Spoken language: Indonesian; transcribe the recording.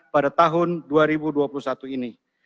pada tahun dua ribu dua puluh satu ini